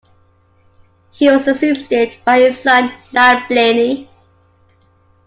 He was succeeded by his son, Niall Blaney.